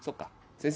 先生